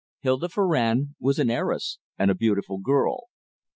Hilda Farrand was an heiress and a beautiful girl.